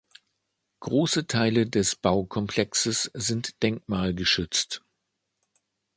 Große Teile des Baukomplexes sind denkmalgeschützt.